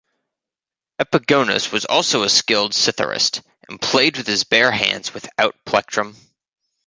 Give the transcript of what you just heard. Epigonus was also a skilled citharist and played with his bare hands without plectrum.